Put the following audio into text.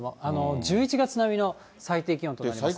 １１月並みの最低気温となりますね。